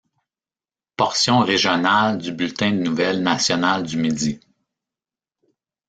Portion régionale du bulletin de nouvelles national du midi.